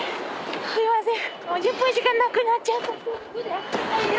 すいません。